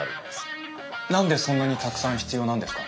何でそんなにたくさん必要なんですか？